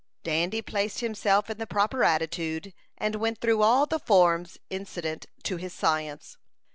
Dandy placed himself in the proper attitude, and went through all the forms incident to the science.